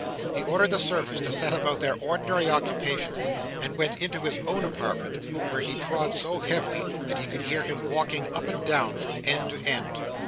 He ordered the servants to set about their ordinary occupations, and went into his own apartment, where he trod so heavily that she could hear him walking up and down from end to end.